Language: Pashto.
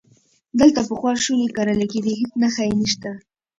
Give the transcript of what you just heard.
دلته پخوا شولې کرلې کېدې، هیڅ نښه یې نشته،